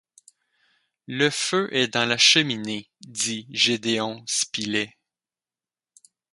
Le feu est dans la cheminée, dit Gédéon Spilett.